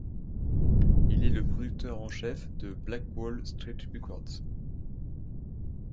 Il est le producteur en chef de Black Wall Street Records.